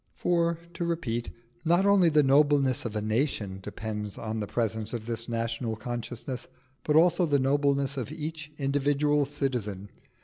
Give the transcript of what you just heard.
For, to repeat, not only the nobleness of a nation depends on the presence of this national consciousness, but also the nobleness of each individual citizen.